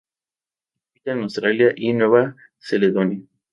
Habita en Australia y Nueva Caledonia.